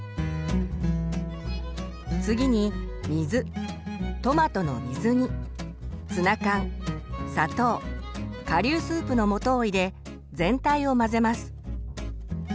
次に水トマトの水煮ツナ缶砂糖顆粒スープの素を入れ全体を混ぜます。